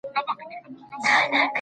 د خپلې ژبي حق ادا کړئ.